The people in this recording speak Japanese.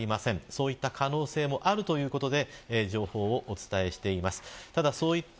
そういった可能性もあるということで情報をお伝えしています。